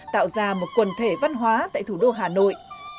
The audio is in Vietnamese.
tạo ra một quần thể văn hóa tại thủ đô hà nội